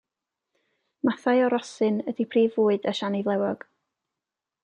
Mathau o rosyn ydy prif fwyd y siani flewog.